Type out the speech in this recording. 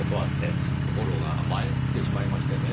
ところが迷ってしまいましてねぇ。